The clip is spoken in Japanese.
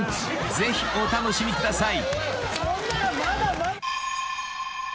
ぜひお楽しみください］